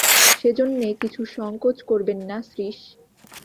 সেজন্যে কিছু সংকোচ করবেন না– শ্রীশ।